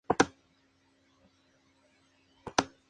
En los últimos años, el descubrimiento de los hidrocarburos de Camisea.